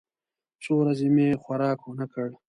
څو ورځې مې خوراک ونه کړ.